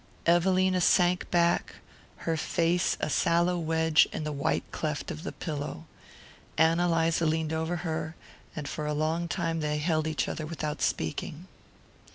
Evelina sank back, her face a sallow wedge in the white cleft of the pillow. Ann Eliza leaned over her, and for a long time they held each other without speaking.